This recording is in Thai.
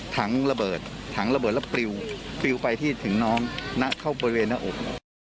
ถังระเบิดถังระเบิดแล้วปลิวปลิวไปที่ถึงน้องณเข้าบริเวณหน้าอก